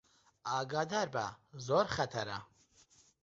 ئاگادار بە، زۆر خەتەرە